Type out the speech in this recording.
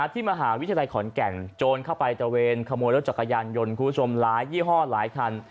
ที่มหาวิทยาลัยขอนแก่นโจรเข้าไปตระเวนขโมยรถจักรยานยนต์คุณผู้ชมหลายยี่ห้อหลายคัน